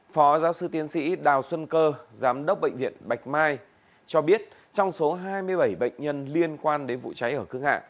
phó giáo sư tiến sĩ đào xuân cơ giám đốc bệnh viện bạch mai cho biết trong số hai mươi bảy bệnh nhân liên quan đến vụ cháy ở khương hạ